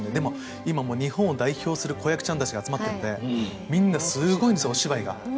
今、日本を代表する子役ちゃんたちが集まっているのでみんなすごいんですお芝居が。